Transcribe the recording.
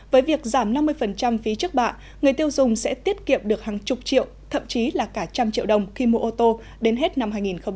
với việc giảm năm mươi phí trước bạ người tiêu dùng sẽ tiết kiệm được hàng chục triệu thậm chí là cả trăm triệu đồng khi mua ô tô đến hết năm hai nghìn hai mươi